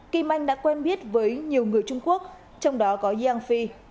kim anh đã quen biết với nhiều người trung quốc trong đó có yang phi